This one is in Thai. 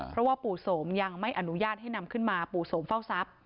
เพราะว่าปู่โสมยังไม่อนุญาตให้นำขึ้นมาปู่โสมเฝ้าทรัพย